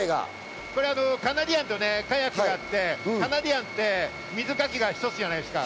カナディアンとカヤックがあって水かきが１つじゃないですか